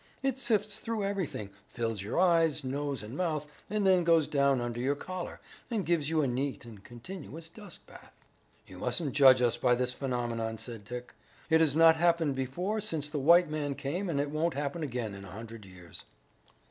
It sifts through everything, fills your eyes, nose and mouth and then goes down under your collar and gives you a neat and continuous dust bath." "You mustn't judge us by this phenomenon," said Dick. "It has not happened before since the white man came, and it won't happen again in a hundred years."